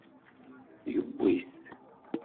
Yewwi-t.